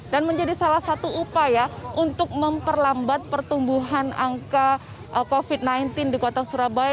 dan menjadi salah satu upaya untuk memperlambat pertumbuhan angka covid sembilan belas di kota surabaya